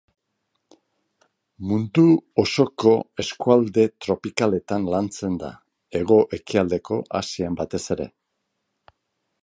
Mundu osoko eskualde tropikaletan lantzen da, Hego-ekialdeko Asian batez ere.